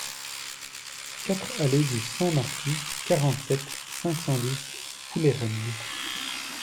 quatre allée de Saint-Marty, quarante-sept, cinq cent dix, Foulayronnes